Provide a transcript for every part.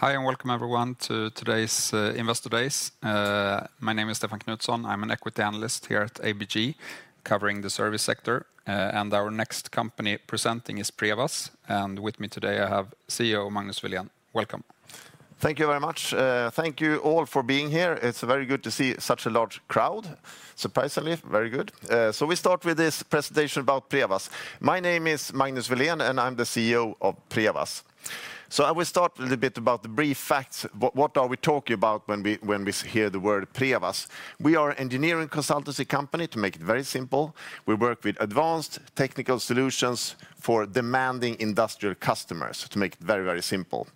Hi, and welcome everyone to today's Investor Days. My name is Stefan Knutsson. I'm an equity analyst here at ABG, covering the service sector. And our next company presenting is Prevas. And with me today, I have CEO Magnus Welén. Welcome. Thank you very much. Thank you all for being here. It's very good to see such a large crowd. Surprisingly, very good. So we start with this presentation about Prevas. My name is Magnus Welén, and I'm the CEO of Prevas. So I will start a little bit about the brief facts. What are we talking about when we hear the word Prevas? We are an engineering consultancy company, to make it very simple. We work with advanced technical solutions for demanding industrial customers, to make it very, very simple.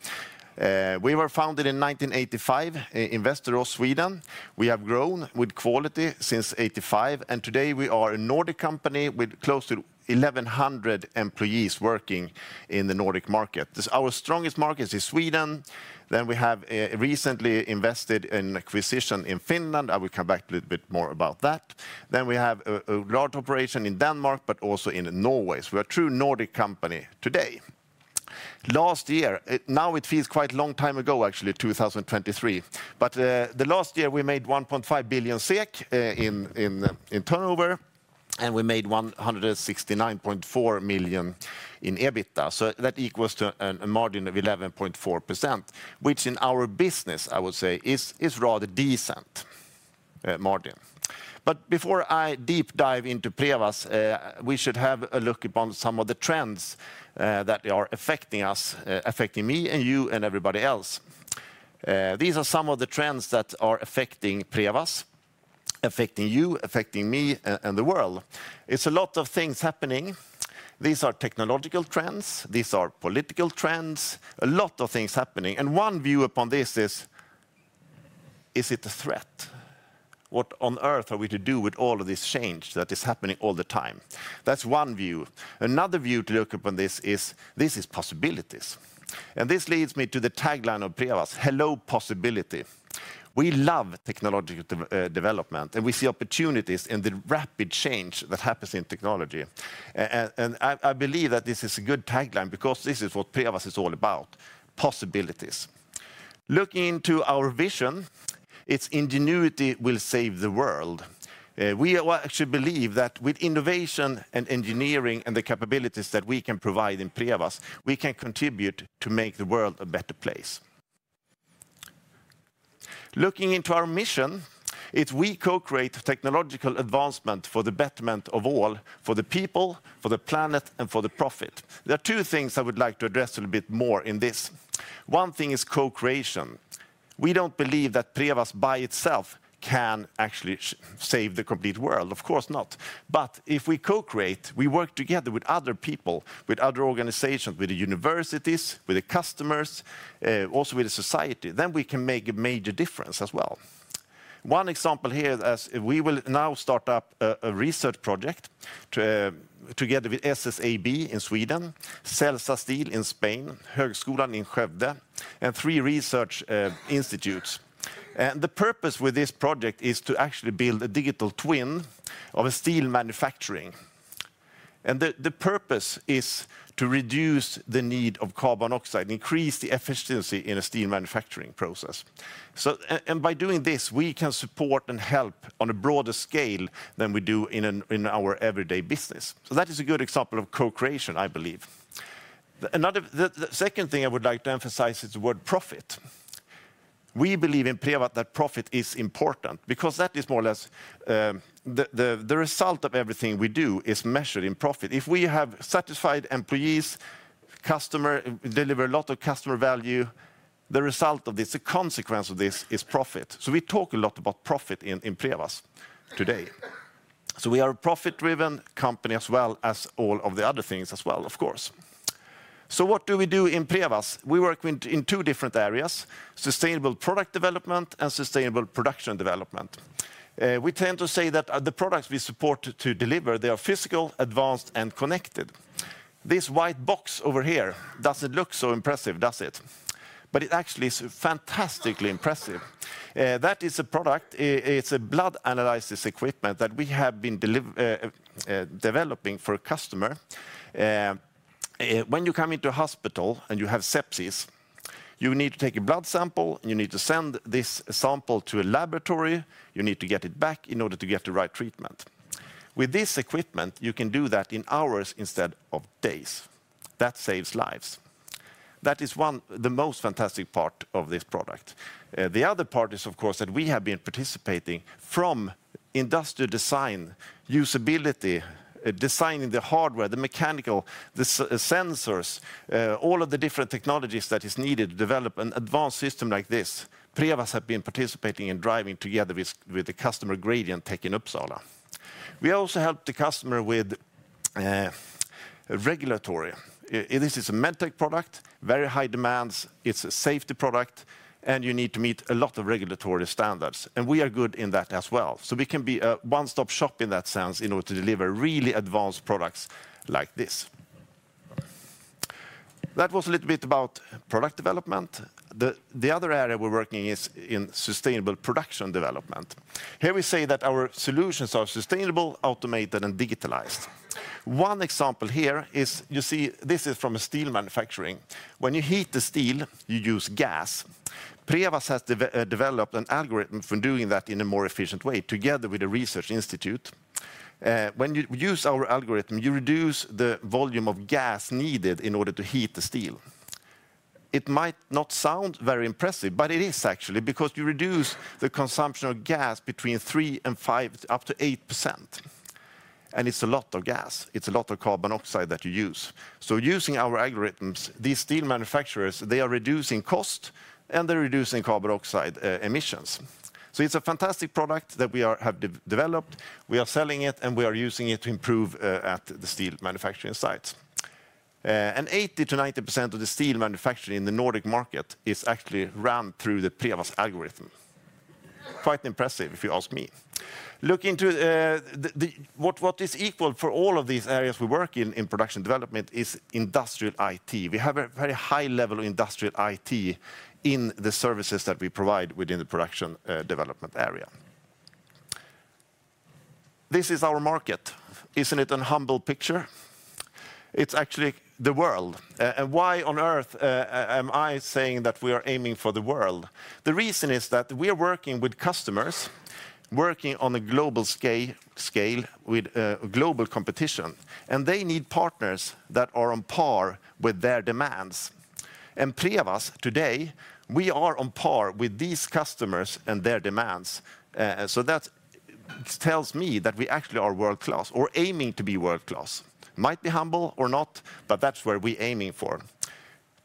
We were founded in 1985 in Västerås, Sweden. We have grown with quality since 1985. And today we are a Nordic company with close to 1,100 employees working in the Nordic market. Our strongest market is Sweden. Then we have recently invested in acquisition in Finland. I will come back a little bit more about that. Then we have a large operation in Denmark, but also in Norway. So we are a true Nordic company today. Last year, now it feels quite a long time ago, actually, 2023. But the last year we made 1.5 billion SEK in turnover, and we made 169.4 million in EBITDA. So that equals to a margin of 11.4%, which in our business, I would say, is rather decent margin. But before I deep dive into Prevas, we should have a look upon some of the trends that are affecting us, affecting me and you and everybody else. These are some of the trends that are affecting Prevas, affecting you, affecting me, and the world. It's a lot of things happening. These are technological trends. These are political trends. A lot of things happening. And one view upon this is, is it a threat? What on earth are we to do with all of this change that is happening all the time? That's one view. Another view to look upon this is, this is possibilities. And this leads me to the tagline of Prevas, "Hello, possibility." We love technological development, and we see opportunities in the rapid change that happens in technology. And I believe that this is a good tagline because this is what Prevas is all about, possibilities. Looking into our vision, it's "Ingenuity will save the world." We actually believe that with innovation and engineering and the capabilities that we can provide in Prevas, we can contribute to make the world a better place. Looking into our mission, it's "We co-create technological advancement for the betterment of all, for the people, for the planet, and for the profit." There are two things I would like to address a little bit more in this. One thing is co-creation. We don't believe that Prevas by itself can actually save the complete world. Of course not, but if we co-create, we work together with other people, with other organizations, with the universities, with the customers, also with the society, then we can make a major difference as well. One example here is we will now start up a research project together with SSAB in Sweden, Celsa Steel in Spain, Högskolan i Skövde, and three research institutes, and the purpose with this project is to actually build a digital twin of steel manufacturing. The purpose is to reduce the need of carbon dioxide, increase the efficiency in a steel manufacturing process. By doing this, we can support and help on a broader scale than we do in our everyday business. That is a good example of co-creation, I believe. The second thing I would like to emphasize is the word profit. We believe in Prevas that profit is important because that is more or less the result of everything we do is measured in profit. If we have satisfied employees, customers, deliver a lot of customer value, the result of this, the consequence of this is profit. We talk a lot about profit in Prevas today. We are a profit-driven company as well as all of the other things as well, of course. What do we do in Prevas? We work in two different areas, sustainable product development and sustainable production development. We tend to say that the products we support to deliver, they are physical, advanced, and connected. This white box over here doesn't look so impressive, does it? But it actually is fantastically impressive. That is a product, it's a blood analysis equipment that we have been developing for a customer. When you come into a hospital and you have sepsis, you need to take a blood sample, you need to send this sample to a laboratory, you need to get it back in order to get the right treatment. With this equipment, you can do that in hours instead of days. That saves lives. That is the most fantastic part of this product. The other part is, of course, that we have been participating from industrial design, usability, designing the hardware, the mechanical, the sensors, all of the different technologies that are needed to develop an advanced system like this. Prevas has been participating in driving together with the customer Gradientech in Uppsala. We also help the customer with regulatory. This is a medtech product, very high demands, it's a safety product, and you need to meet a lot of regulatory standards, and we are good in that as well, so we can be a one-stop shop in that sense in order to deliver really advanced products like this. That was a little bit about product development. The other area we're working in is in sustainable production development. Here we say that our solutions are sustainable, automated, and digitalized. One example here is, you see, this is from steel manufacturing. When you heat the steel, you use gas. Prevas has developed an algorithm for doing that in a more efficient way together with a research institute. When you use our algorithm, you reduce the volume of gas needed in order to heat the steel. It might not sound very impressive, but it is actually because you reduce the consumption of gas between 3% and 5%, up to 8%. And it's a lot of gas. It's a lot of carbon oxide that you use. So using our algorithms, these steel manufacturers, they are reducing cost and they're reducing carbon oxide emissions. So it's a fantastic product that we have developed. We are selling it and we are using it to improve at the steel manufacturing sites. And 80%-90% of the steel manufacturing in the Nordic market is actually run through the Prevas algorithm. Quite impressive if you ask me. Looking into what is equal for all of these areas we work in in production development is industrial IT. We have a very high level of industrial IT in the services that we provide within the production development area. This is our market. Isn't it a humble picture? It's actually the world, and why on earth am I saying that we are aiming for the world? The reason is that we are working with customers working on a global scale with global competition, and they need partners that are on par with their demands, and Prevas today, we are on par with these customers and their demands, so that tells me that we actually are world-class or aiming to be world-class. Might be humble or not, but that's where we're aiming for.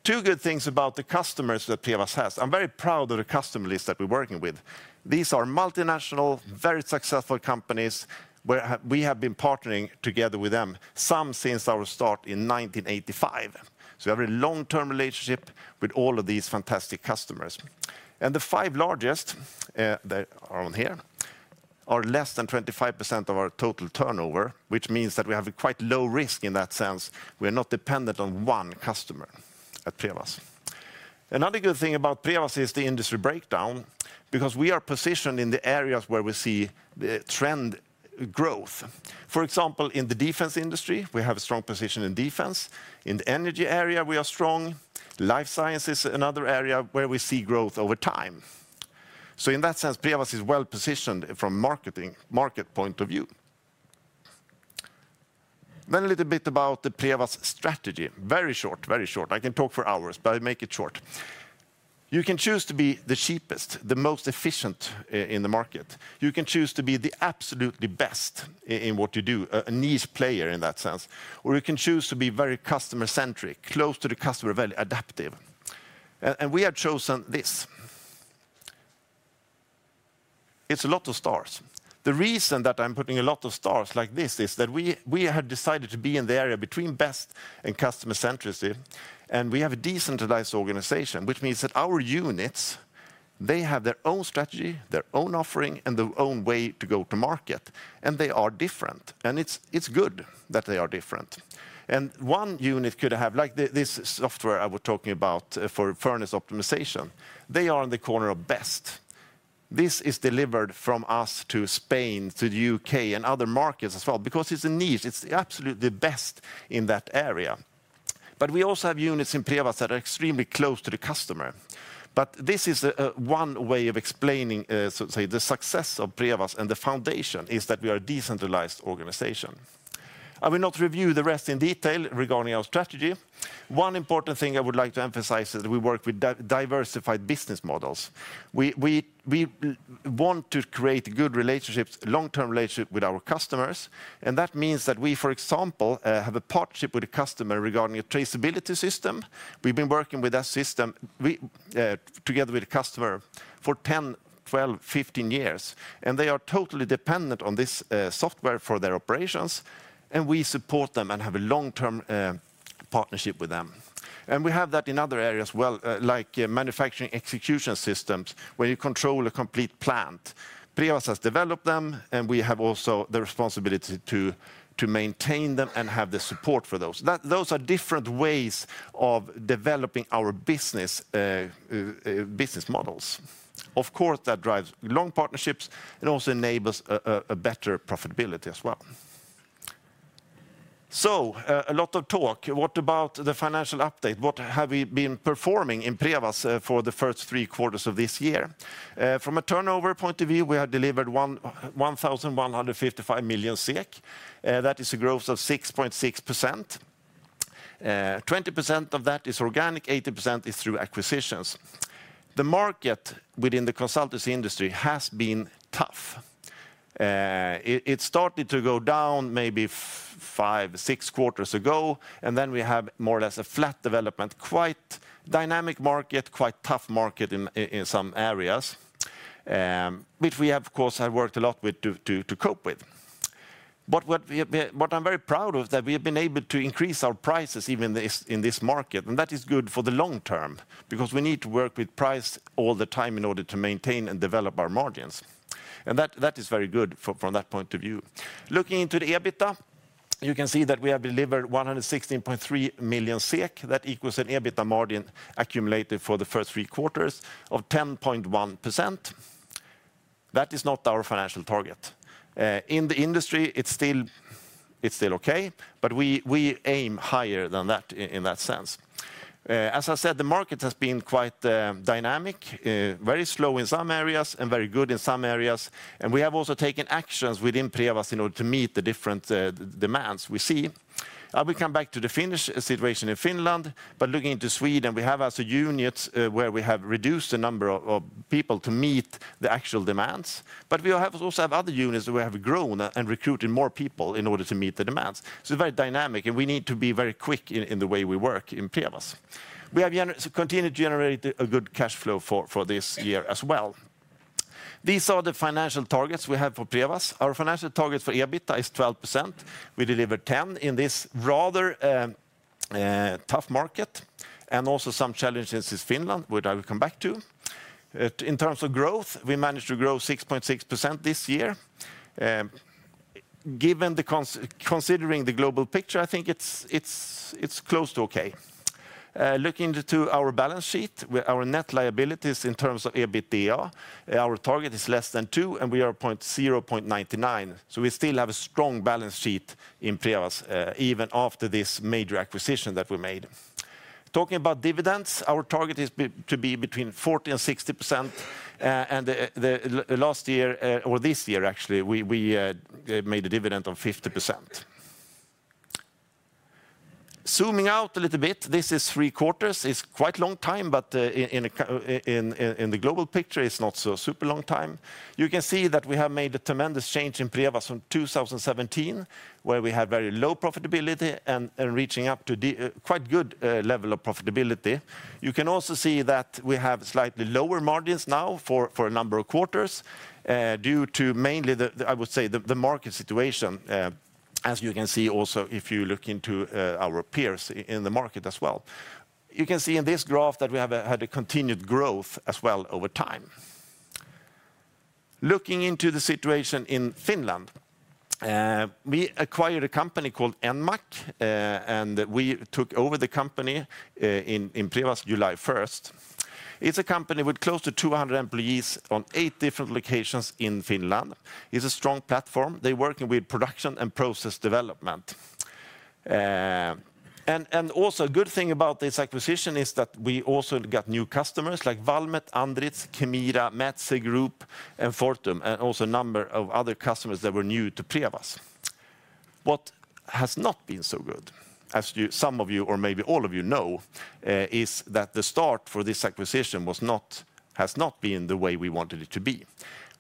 Two good things about the customers that Prevas has. I'm very proud of the customer list that we're working with. These are multinational, very successful companies where we have been partnering together with them, some since our start in 1985. So we have a long-term relationship with all of these fantastic customers. And the five largest that are on here are less than 25% of our total turnover, which means that we have quite low risk in that sense. We are not dependent on one customer at Prevas. Another good thing about Prevas is the industry breakdown because we are positioned in the areas where we see the trend growth. For example, in the defense industry, we have a strong position in defense. In the energy area, we are strong. Life science is another area where we see growth over time. So in that sense, Prevas is well-positioned from a market point of view. Then a little bit about the Prevas strategy. Very short, very short. I can talk for hours, but I'll make it short. You can choose to be the cheapest, the most efficient in the market. You can choose to be the absolutely best in what you do, a niche player in that sense, or you can choose to be very customer-centric, close to the customer, very adaptive, and we have chosen this. It's a lot of stars. The reason that I'm putting a lot of stars like this is that we have decided to be in the area between best and customer-centricity, and we have a decentralized organization, which means that our units, they have their own strategy, their own offering, and their own way to go to market, and they are different, and it's good that they are different. And one unit could have like this software I was talking about for furnace optimization. They are the best in their corner. This is delivered from us to Spain, to the U.K., and other markets as well because it's a niche. It's absolutely the best in that area. But we also have units in Prevas that are extremely close to the customer. But this is one way of explaining, so to say, the success of Prevas and the foundation is that we are a decentralized organization. I will not review the rest in detail regarding our strategy. One important thing I would like to emphasize is that we work with diversified business models. We want to create good relationships, long-term relationships with our customers. And that means that we, for example, have a partnership with a customer regarding a traceability system. We've been working with that system together with a customer for 10, 12, 15 years, and they are totally dependent on this software for their operations, and we support them and have a long-term partnership with them, and we have that in other areas as well, like manufacturing execution systems where you control a complete plant. Prevas has developed them, and we have also the responsibility to maintain them and have the support for those. Those are different ways of developing our business models. Of course, that drives long partnerships and also enables a better profitability as well, so a lot of talk. What about the financial update? What have we been performing in Prevas for the first three quarters of this year? From a turnover point of view, we have delivered 1,155 million SEK. That is a growth of 6.6%, 20% of that is organic, 80% is through acquisitions. The market within the consultancy industry has been tough. It started to go down maybe five, six quarters ago. And then we have more or less a flat development, quite dynamic market, quite tough market in some areas, which we have, of course, worked a lot with to cope with. But what I'm very proud of is that we have been able to increase our prices even in this market. And that is good for the long term because we need to work with price all the time in order to maintain and develop our margins. And that is very good from that point of view. Looking into the EBITDA, you can see that we have delivered 116.3 million SEK. That equals an EBITDA margin accumulated for the first three quarters of 10.1%. That is not our financial target. In the industry, it's still okay, but we aim higher than that in that sense. As I said, the market has been quite dynamic, very slow in some areas and very good in some areas, and we have also taken actions within Prevas in order to meet the different demands we see. I will come back to the Finnish situation in Finland, but looking into Sweden, we have also units where we have reduced the number of people to meet the actual demands, but we also have other units where we have grown and recruited more people in order to meet the demands, so it's very dynamic, and we need to be very quick in the way we work in Prevas. We have continued to generate a good cash flow for this year as well. These are the financial targets we have for Prevas. Our financial target for EBITDA is 12%. We delivered 10% in this rather tough market, and also some challenges in Finland, which I will come back to. In terms of growth, we managed to grow 6.6% this year. Considering the global picture, I think it's close to okay. Looking into our balance sheet, our net liabilities in terms of EBITDA, our target is less than 2%, and we are 0.99%. So we still have a strong balance sheet in Prevas even after this major acquisition that we made. Talking about dividends, our target is to be between 40% and 60%, and last year, or this year actually, we made a dividend of 50%. Zooming out a little bit, this is three quarters. It's quite a long time, but in the global picture, it's not so super long time. You can see that we have made a tremendous change in Prevas from 2017, where we had very low profitability and reaching up to quite a good level of profitability. You can also see that we have slightly lower margins now for a number of quarters due to mainly, I would say, the market situation, as you can see also if you look into our peers in the market as well. You can see in this graph that we have had a continued growth as well over time. Looking into the situation in Finland, we acquired a company called Enmac, and we took over the company into Prevas July 1st. It's a company with close to 200 employees on eight different locations in Finland. It's a strong platform. They're working with production and process development. And also a good thing about this acquisition is that we also got new customers like Valmet, Andritz, Kemira, Metsä Group, and Fortum, and also a number of other customers that were new to Prevas. What has not been so good, as some of you or maybe all of you know, is that the start for this acquisition has not been the way we wanted it to be.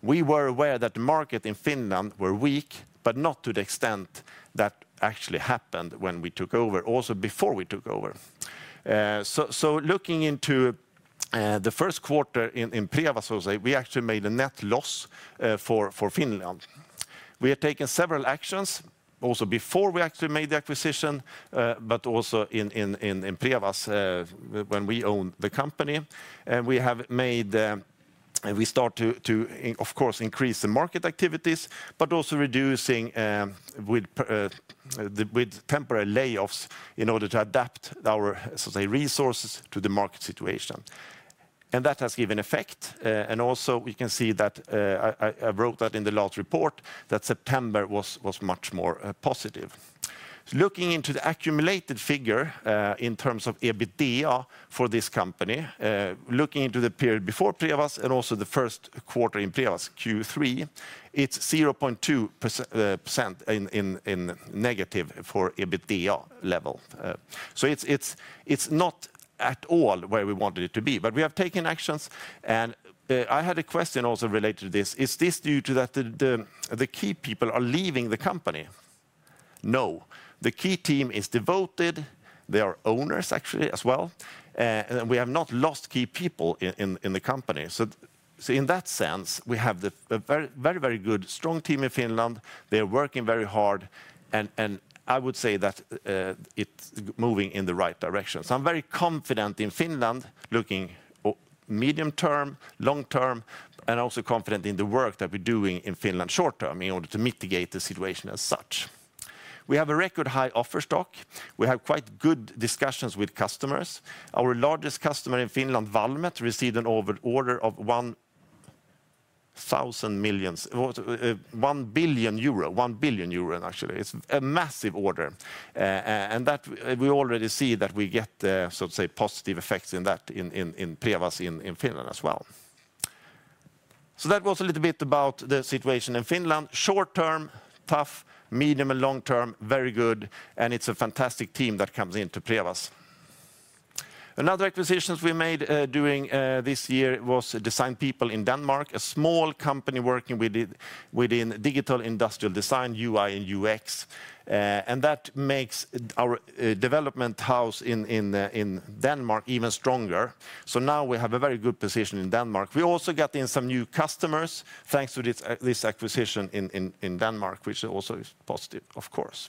We were aware that the market in Finland was weak, but not to the extent that actually happened when we took over, also before we took over. So looking into the first quarter in Prevas, we actually made a net loss for Finland. We had taken several actions also before we actually made the acquisition, but also in Prevas when we owned the company. We started to, of course, increase the market activities, but also reducing with temporary layoffs in order to adapt our resources to the market situation. That has given effect. We can also see that. I wrote that in the last report that September was much more positive. Looking into the accumulated figure in terms of EBITDA for this company, looking into the period before Prevas and also the first quarter in Prevas, Q3, it's 0.2% negative for EBITDA level. It's not at all where we wanted it to be. We have taken actions. I had a question also related to this. Is this due to that the key people are leaving the company? No. The key team is devoted. They are owners actually as well. We have not lost key people in the company. So in that sense, we have a very, very good, strong team in Finland. They are working very hard. And I would say that it's moving in the right direction. So I'm very confident in Finland looking medium term, long term, and also confident in the work that we're doing in Finland short term in order to mitigate the situation as such. We have a record high offer stock. We have quite good discussions with customers. Our largest customer in Finland, Valmet, received an order of 1,000 million, 1 billion euro actually. It's a massive order. And we already see that we get positive effects in that in Prevas in Finland as well. So that was a little bit about the situation in Finland. Short term, tough, medium and long term, very good. And it's a fantastic team that comes into Prevas. Another acquisition we made during this year was Design-People in Denmark, a small company working within digital industrial design, UI and UX, and that makes our development house in Denmark even stronger, so now we have a very good position in Denmark. We also got in some new customers thanks to this acquisition in Denmark, which also is positive, of course,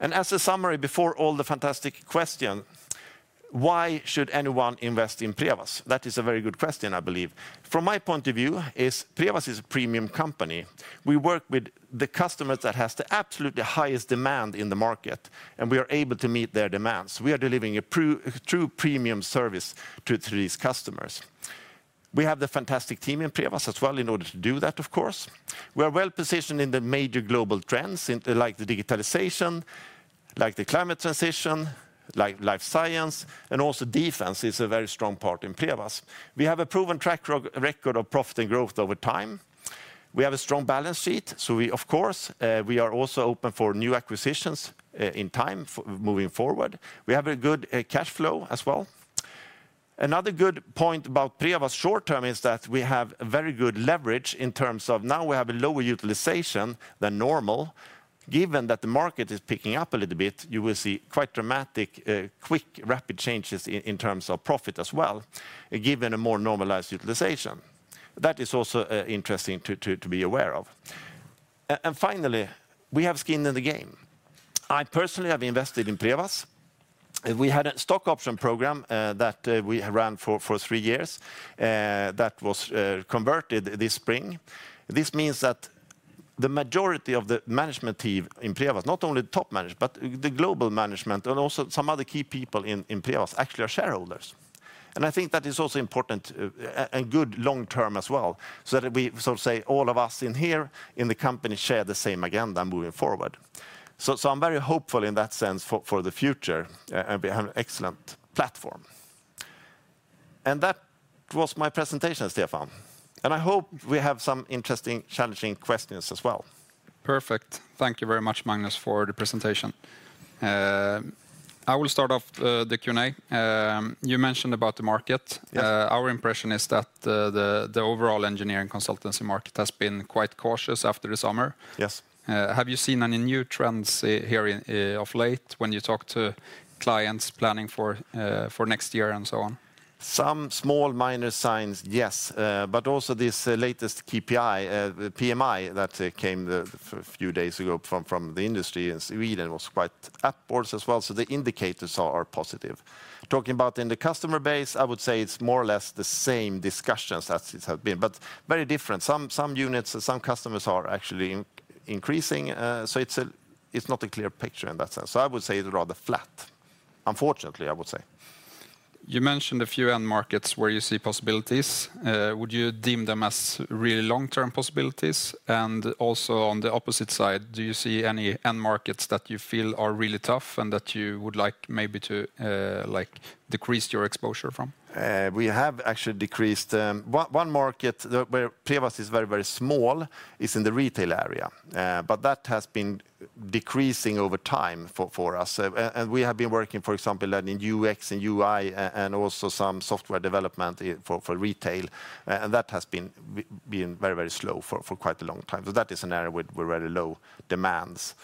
and as a summary before all the fantastic question, why should anyone invest in Prevas? That is a very good question, I believe. From my point of view, Prevas is a premium company. We work with the customers that have the absolute highest demand in the market, and we are able to meet their demands. We are delivering a true premium service to these customers. We have the fantastic team in Prevas as well in order to do that, of course. We are well positioned in the major global trends like the digitalization, like the climate transition, like life science, and also defense is a very strong part in Prevas. We have a proven track record of profit and growth over time. We have a strong balance sheet. So we, of course, we are also open for new acquisitions in time moving forward. We have a good cash flow as well. Another good point about Prevas short term is that we have very good leverage in terms of now we have a lower utilization than normal. Given that the market is picking up a little bit, you will see quite dramatic, quick, rapid changes in terms of profit as well, given a more normalized utilization. That is also interesting to be aware of. And finally, we have skin in the game. I personally have invested in Prevas. We had a stock option program that we ran for three years that was converted this spring. This means that the majority of the management team in Prevas, not only the top management, but the global management and also some other key people in Prevas actually are shareholders. And I think that is also important and good long-term as well. So that we sort of say all of us in here in the company share the same agenda moving forward. So I'm very hopeful in that sense for the future. And we have an excellent platform. And that was my presentation, Stefan. And I hope we have some interesting, challenging questions as well. Perfect. Thank you very much, Magnus, for the presentation. I will start off the Q&A. You mentioned about the market. Our impression is that the overall engineering consultancy market has been quite cautious after the summer. Have you seen any new trends here of late when you talk to clients planning for next year and so on? Some small minor signs, yes. But also this latest PMI that came a few days ago from the industry in Sweden was quite up also as well. So the indicators are positive. Talking about in the customer base, I would say it's more or less the same discussions as it has been, but very different. Some units, some customers are actually increasing. So it's not a clear picture in that sense. So I would say it's rather flat, unfortunately, I would say. You mentioned a few end markets where you see possibilities. Would you deem them as really long-term possibilities? And also on the opposite side, do you see any end markets that you feel are really tough and that you would like maybe to decrease your exposure from? We have actually decreased. One market where Prevas is very, very small is in the retail area. But that has been decreasing over time for us. And we have been working, for example, in UX and UI and also some software development for retail. And that has been very, very slow for quite a long time. So that is an area with very low demands.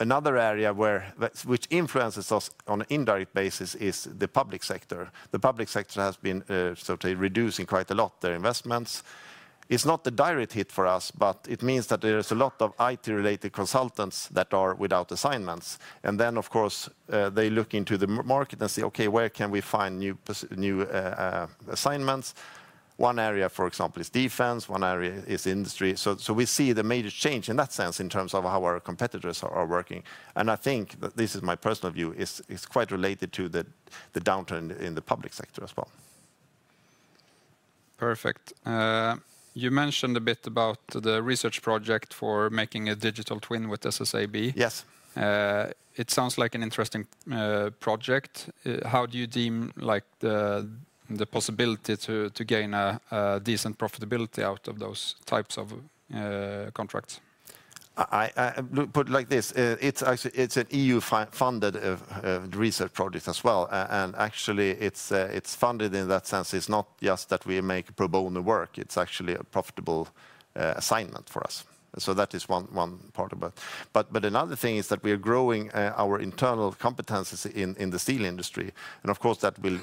Another area which influences us on an indirect basis is the public sector. The public sector has been reducing quite a lot their investments. It's not a direct hit for us, but it means that there is a lot of IT-related consultants that are without assignments. And then, of course, they look into the market and say, "Okay, where can we find new assignments?" One area, for example, is defense. One area is industry. So we see the major change in that sense in terms of how our competitors are working. And I think, this is my personal view, it's quite related to the downturn in the public sector as well. Perfect. You mentioned a bit about the research project for making a digital twin with SSAB. It sounds like an interesting project. How do you deem the possibility to gain a decent profitability out of those types of contracts? Put it like this. It's an EU-funded research project as well. And actually, it's funded in that sense. It's not just that we make pro bono work. It's actually a profitable assignment for us. So that is one part of it. But another thing is that we are growing our internal competencies in the steel industry. And of course, that will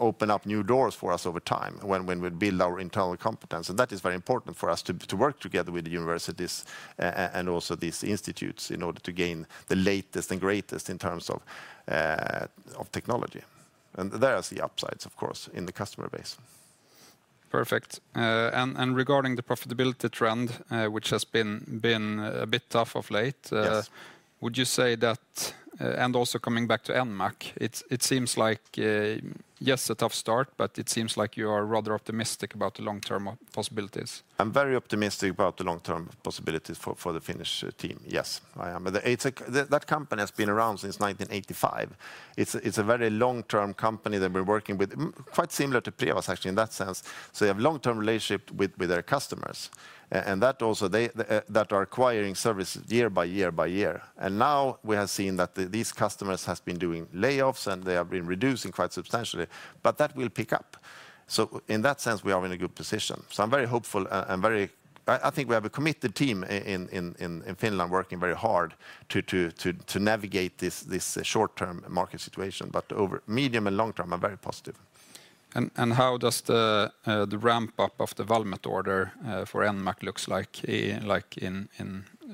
open up new doors for us over time when we build our internal competence. And that is very important for us to work together with the universities and also these institutes in order to gain the latest and greatest in terms of technology. And there are the upsides, of course, in the customer base. Perfect. And regarding the profitability trend, which has been a bit tough of late, would you say that, and also coming back to Enmac, it seems like, yes, a tough start, but it seems like you are rather optimistic about the long-term possibilities? I'm very optimistic about the long-term possibilities for the Finnish team. Yes. That company has been around since 1985. It's a very long-term company that we're working with, quite similar to Prevas actually in that sense. So they have a long-term relationship with their customers. That also they are acquiring services year-by-year-by-year. Now we have seen that these customers have been doing layoffs and they have been reducing quite substantially. That will pick up. In that sense, we are in a good position. I'm very hopeful and very, I think we have a committed team in Finland working very hard to navigate this short-term market situation. Over medium and long term, I'm very positive. How does the ramp-up of the Valmet order for Enmac look like in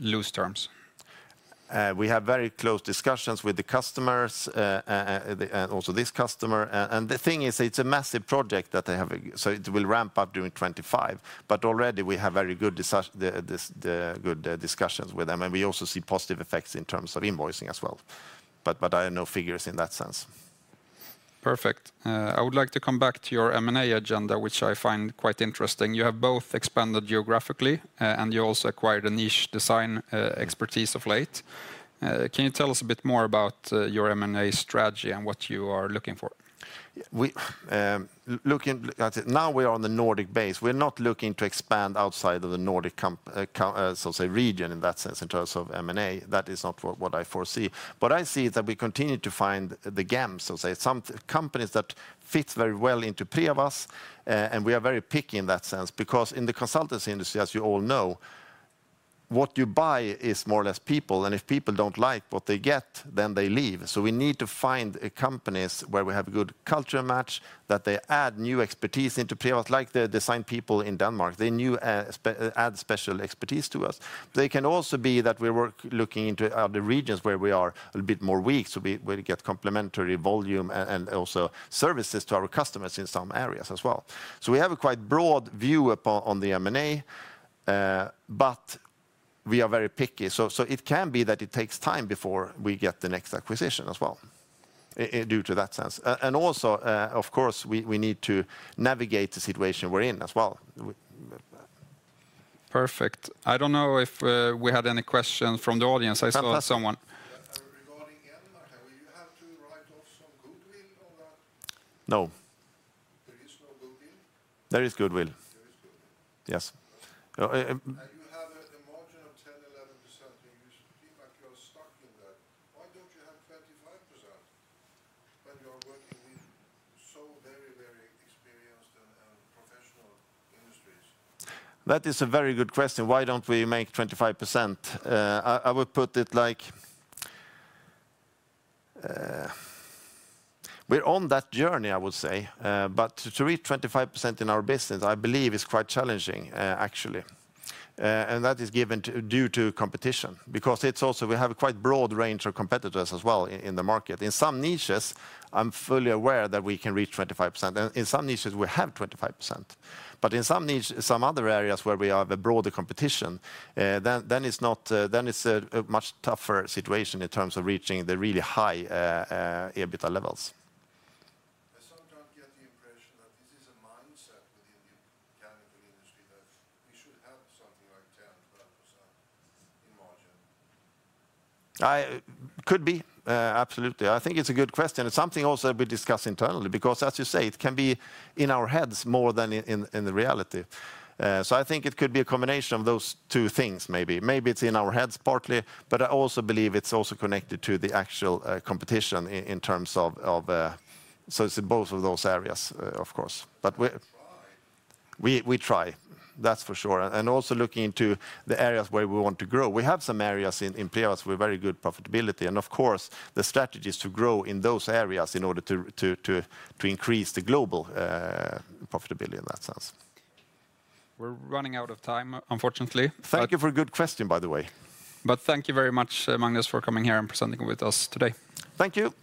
loose terms? We have very close discussions with the customers and also this customer. The thing is, it's a massive project that they have. It will ramp up during 2025. Already we have very good discussions with them. We also see positive effects in terms of invoicing as well. But I have no figures in that sense. Perfect. I would like to come back to your M&A agenda, which I find quite interesting. You have both expanded geographically and you also acquired a niche design expertise of late. Can you tell us a bit more about your M&A strategy and what you are looking for? Now we are on the Nordic base. We're not looking to expand outside of the Nordic region in that sense in terms of M&A. That is not what I foresee. But I see that we continue to find the gem, some companies that fit very well into Prevas. And we are very picky in that sense because in the consultancy industry, as you all know, what you buy is more or less people. And if people don't like what they get, then they leave. So we need to find companies where we have a good cultural match that they add new expertise into Prevas, like the design people in Denmark. They add special expertise to us. They can also be that we're looking into other regions where we are a bit more weak. So we get complementary volume and also services to our customers in some areas as well. So we have a quite broad view on the M&A, but we are very picky. So it can be that it takes time before we get the next acquisition as well due to that sense. And also, of course, we need to navigate the situation we're in as well. Perfect. I don't know if we had any questions from the audience. I saw someone. Regarding Enmac, have you had to write off some goodwill or that? No. There is goodwill. Yes. You have a margin of 10%-11%. You seem like you are stuck in that. Why don't you have 25% when you are working with so very, very experienced and professional industries? That is a very good question. Why don't we make 25%? I would put it like we're on that journey, I would say. But to reach 25% in our business, I believe is quite challenging, actually. And that is given due to competition because we have a quite broad range of competitors as well in the market. In some niches, I'm fully aware that we can reach 25%. And in some niches, we have 25%. But in some other areas where we have a broader competition, then it's a much tougher situation in terms of reaching the really high EBITDA levels. I sometimes get the impression that this is a mindset within the chemical industry that we should have something like 10%-12% in margin. Could be. Absolutely. I think it's a good question. It's something also we discuss internally because, as you say, it can be in our heads more than in reality. So I think it could be a combination of those two things, maybe. Maybe it's in our heads partly, but I also believe it's also connected to the actual competition in terms of both of those areas, of course. But we try. We try. That's for sure, and also looking into the areas where we want to grow. We have some areas in Prevas with very good profitability. And of course, the strategy is to grow in those areas in order to increase the global profitability in that sense. We're running out of time, unfortunately. Thank you for a good question, by the way. But thank you very much, Magnus, for coming here and presenting with us today. Thank you.